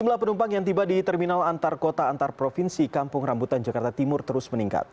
jumlah penumpang yang tiba di terminal antar kota antar provinsi kampung rambutan jakarta timur terus meningkat